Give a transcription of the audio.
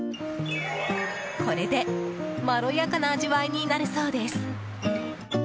これで、まろやかな味わいになるそうです。